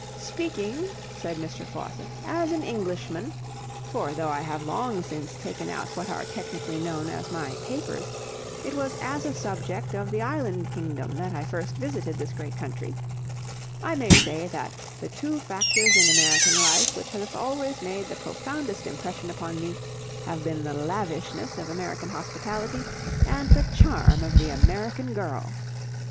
"Speaking," said Mr. Faucitt, "as an Englishman for though I have long since taken out what are technically known as my 'papers' it was as a subject of the island kingdom that I first visited this great country I may say that the two factors in American life which have always made the profoundest impression upon me have been the lavishness of American hospitality and the charm of the American girl.